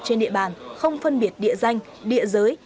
trên địa bàn không phân biệt địa danh địa giới